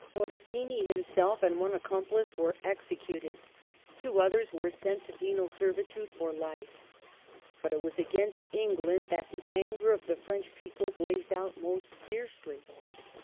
Orsini himself and one accomplice were executed ; two othei s were sent to penal servitude for life. But it was against England that the anger of the French people blazed out most fiercely.